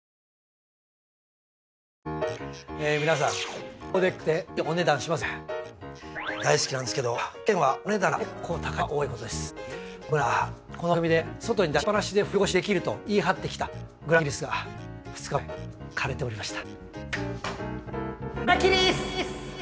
僕なんかこの番組で外に出しっぱなしで冬越しできると言い張ってきたグラキリウスが２日前枯れておりました。